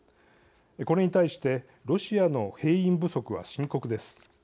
これに対してロシアの兵員不足は深刻です。